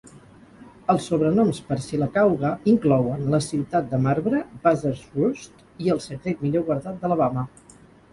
Els sobrenoms per Sylacauga inclouen "La Ciutat de Marbre", "Buzzard's Roost", i "El Secret Millor Guardat d'Alabama".